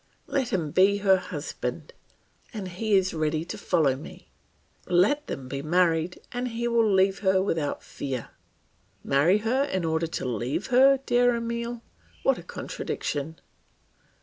Let him be her husband, and he is ready to follow me; let them be married and he will leave her without fear. "Marry her in order to leave her, dear Emile! what a contradiction!